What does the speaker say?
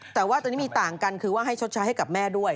แต่ว่าตอนนี้มีต่างกันคือว่าให้ชดใช้ให้กับแม่ด้วย